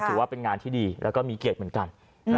ถือว่าเป็นงานที่ดีแล้วก็มีเกียรติเหมือนกัน